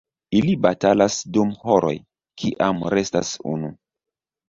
Ili batalas dum horoj, kiam restas unu.